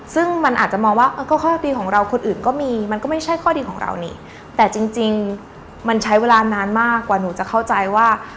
ซึ่งมันอาจจะมองว่าก็ข้อดีของเราคนอื่นก็มีมันก็ไม่ใช่ข้อดีของเรานี่แต่จริงจริงมันใช้เวลานานมากกว่าหนูจะเข้าใจว่า